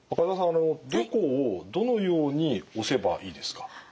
あのどこをどのように押せばいいですか？